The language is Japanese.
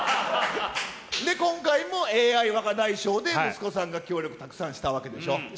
今回もＡＩ若大将でないしょで、息子さんが協力たくさんした訳でしょ。